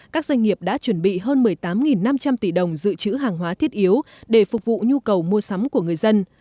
các doanh nghiệp đã chuẩn bị hơn một mươi tám năm trăm linh tỷ đồng dự trữ hàng hóa thiết yếu để phục vụ nhu cầu mua sắm của người dân